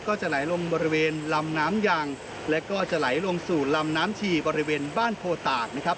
ก็จะไหลลงบริเวณลำน้ำยังและก็จะไหลลงสู่ลำน้ำฉี่บริเวณบ้านโพตากนะครับ